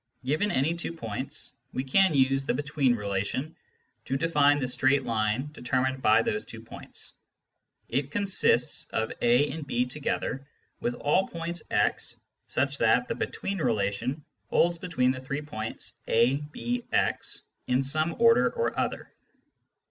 Given any two points, we can use the between relation to define the straight line determined by those two points ; it consists of a and b together with all points x, such that the between relation holds between the three points a, b, x in some order or other.